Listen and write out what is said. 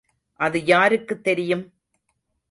அது யாருக்குத் தெரியும்?